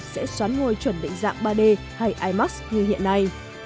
sẽ xoán ngôi chuẩn định dạng ba d hay imark như hiện nay